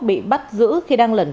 bị bắt giữ khi đang lập tài sản